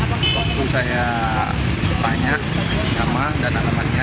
waktu saya tanya nama dan alamannya